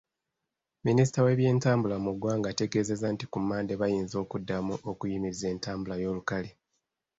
Minisita w’ebyentambula mu ggwanga ategeezezza nti ku Mmande bayinza okuddamu okuyimiriza entambula y’olukale.